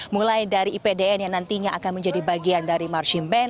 mulai dari ipdn yang nantinya akan menjadi bagian dari marching band